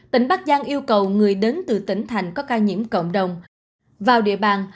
tỉnh bắc giang yêu cầu người đến từ tỉnh thành có ca nhiễm cộng đồng vào địa bàn